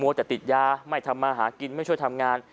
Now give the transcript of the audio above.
จะติดยาไม่ทำมาหากินไม่ช่วยทำงาน